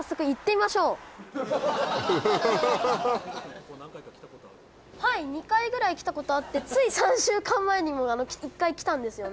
ここはなんですはい２回くらい来たことあってつい３週間前にも１回来たんですよね